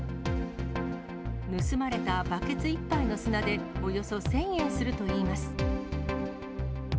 盗まれたバケツ１杯の砂で、およそ１０００円するといいます。